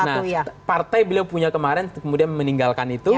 nah partai beliau punya kemarin kemudian meninggalkan itu